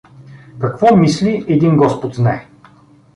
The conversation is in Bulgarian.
Какво мисли — един господ знае.